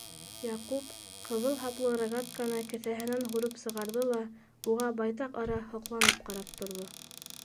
Яҡуп ҡыҙыл һаплы рогатканы кеҫәһенән һурып сығарҙы ла уға байтаҡ ара һоҡланып ҡарап торҙо.